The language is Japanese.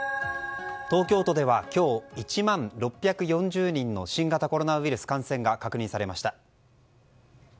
東京都では今日１万６４０人の新型コロナウイルス感染が確認されました。